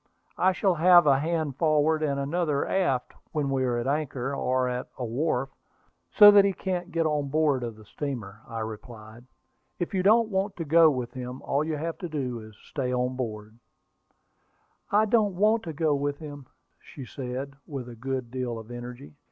I shall have a hand forward and another aft whenever we are at anchor, or at a wharf, so that he can't get on board of the steamer," I replied. "If you don't want to go with him, all you have to do is to stay on board." "I don't want to go with him," said she, with a good deal of energy.